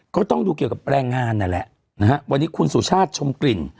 ก็ต้องดูเกี่ยวกับแรงงานนั่นแหละนะฮะวันนี้คุณสุชาติชมกลิ่น